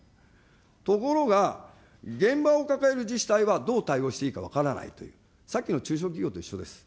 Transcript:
ところが、現場を抱える自治体はどう対応していいか分からないという、さっきの中小企業と一緒です。